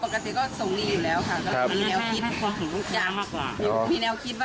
ชอบปกติก็ส่งอยู่แล้วค่ะ